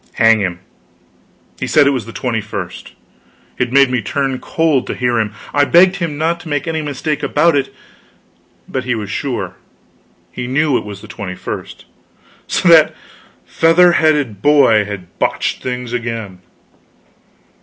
Hang him, he said it was the twenty first! It made me turn cold to hear him. I begged him not to make any mistake about it; but he was sure; he knew it was the 21st. So, that feather headed boy had botched things again!